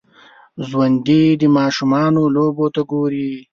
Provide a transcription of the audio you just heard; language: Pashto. ژوندي د ماشومانو لوبو ته ګوري